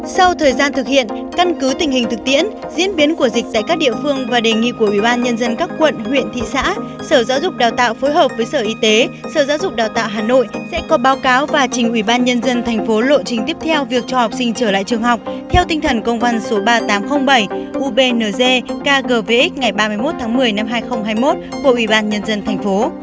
sau thời gian thực hiện căn cứ tình hình thực tiễn diễn biến của dịch tại các địa phương và đề nghị của ủy ban nhân dân các quận huyện thị xã sở giáo dục đào tạo phối hợp với sở y tế sở giáo dục đào tạo hà nội sẽ có báo cáo và trình ủy ban nhân dân thành phố lộ trình tiếp theo việc cho học sinh trở lại trường học theo tinh thần công văn số ba nghìn tám trăm linh bảy ubnz kgvx ngày ba mươi một tháng một mươi năm hai nghìn hai mươi một của ủy ban nhân dân thành phố